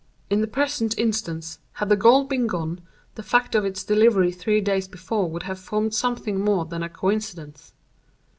In the present instance, had the gold been gone, the fact of its delivery three days before would have formed something more than a coincidence.